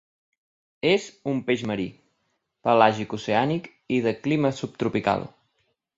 És un peix marí, pelàgic-oceànic i de clima subtropical.